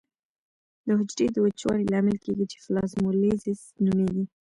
د حجرې د وچوالي لامل کیږي چې پلازمولیزس نومېږي.